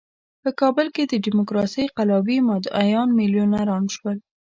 په کابل کې د ډیموکراسۍ قلابي مدعیان میلیونران شول.